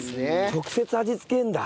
直接味付けるんだ。